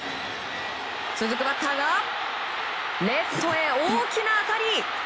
続くバッターがレフトへ大きな当たり！